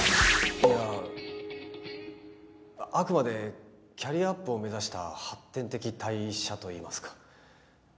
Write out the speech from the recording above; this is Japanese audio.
いやあくまでキャリアアップを目指した発展的退社といいますか。